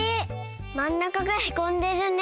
まん中がへこんでるね。